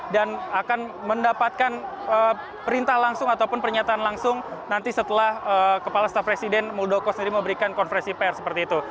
dan akan mendapatkan perintah langsung ataupun pernyataan langsung nanti setelah kepala staf presiden muldoko sendiri memberikan konferensi pr seperti itu